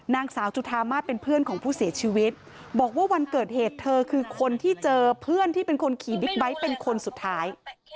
นางสาวจุธามาศเป็นเพื่อนของผู้เสียชีวิตบอกว่าวันเกิดเหตุเธอคือคนที่เจอเพื่อนที่เป็นคนขี่บิ๊กไบท์เป็นคนสุดท้าย